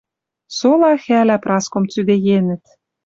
Сола хӓлӓ Праском цӱдеенӹт: